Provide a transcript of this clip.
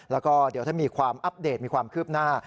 แล้วก็เดี๋ยวถ้ามีความอัปเดตมีความคืบหน้า